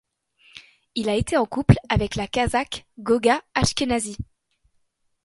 Il a été en couple avec la Kazakhe Goga Ashkenazi.